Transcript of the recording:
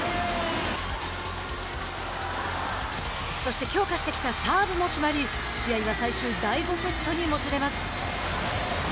そして、強化してきたサーブも決まり試合は、最終第５セットにもつれます。